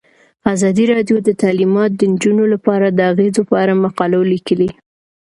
ازادي راډیو د تعلیمات د نجونو لپاره د اغیزو په اړه مقالو لیکلي.